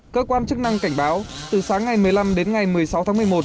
cơ quan chức năng cảnh báo từ sáng ngày một mươi năm đến ngày một mươi sáu tháng một mươi một